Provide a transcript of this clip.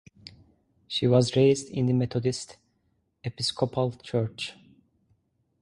She was raised in the Methodist Episcopal Church.